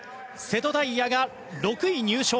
瀬戸大也が６位入賞。